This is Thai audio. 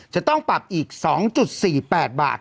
จะต้องปรับอีก๒๔๘บาท